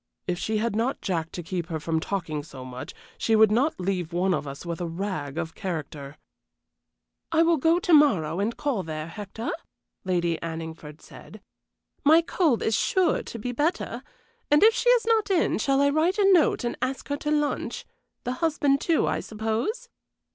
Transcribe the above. If she had not Jack to keep her from talking so much she would not leave one of us with a rag of character." "I will go to morrow and call there, Hector," Lady Anningford said. "My cold is sure to be better; and if she is not in, shall I write a note and ask her to lunch? The husband, too, I suppose?"